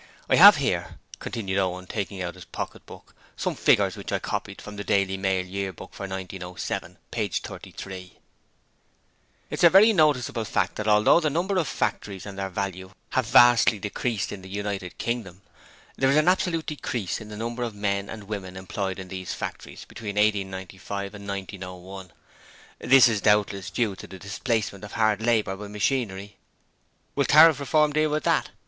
I have here,' continued Owen, taking out his pocket book, 'some figures which I copied from the Daily Mail Year Book for 1907, page 33: '"It is a very noticeable fact that although the number of factories and their value have vastly increased in the United Kingdom, there is an absolute decrease in the number of men and women employed in those factories between 1895 and 1901. This is doubtless due to the displacement of hand labour by machinery!" 'Will Tariff Reform deal with that?